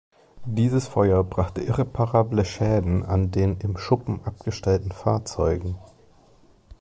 Dieses Feuer brachte irreparable Schäden an den im Schuppen abgestellten Fahrzeugen.